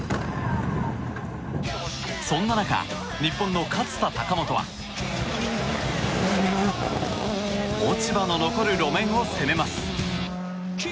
そんな中、日本の勝田貴元は落ち葉の残る路面を攻めます。